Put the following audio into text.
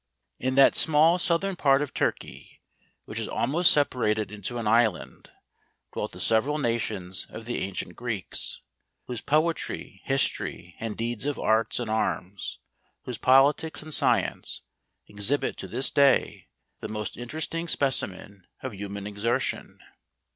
In that small southern part of Turkey, which is almost separated into an island, dwelt the se¬ veral nations of the ancient Greeks; whose po¬ etry, history, and deeds of arts and arms, whose politics, and science, exhibit to this day the most interesting specimen of human exertion.